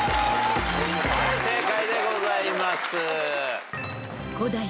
正解でございます。